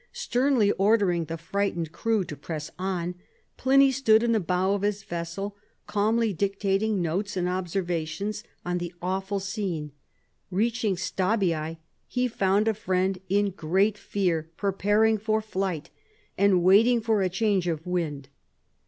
Sternly ordering the frightened crew to press on, Pliny stood in the bow of his vessel, calmly dictating notes and observations on the awful scene. Reaching Stabiae, he found a friend in great fear, preparing for flight, and waiting for a change of wind.